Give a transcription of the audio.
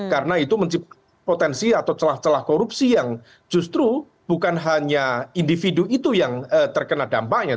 karena itu menciptakan potensi atau celah celah korupsi yang justru bukan hanya individu itu yang terkena dampaknya